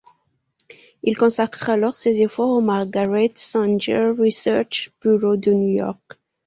Il consacre alors ses efforts au Margaret Sanger Research Bureau de New York.